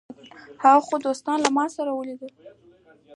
هغه څو دوستان له ما سره ولیدل.